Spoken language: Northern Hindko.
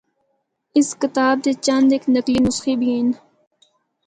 اس کتاب دے چند اک نقلی نسخے بھی ہن۔